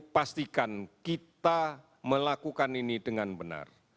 pastikan kita melakukan ini dengan benar